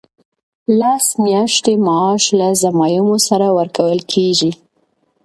لس میاشتې معاش له ضمایمو سره ورکول کیږي.